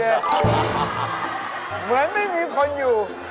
เหมือนไม่มีคนอยู่